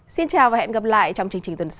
xin chào và hẹn gặp lại trong chương trình tuần sau